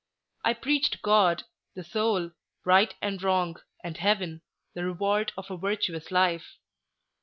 I preached God, the Soul, Right and Wrong, and Heaven, the reward of a virtuous life.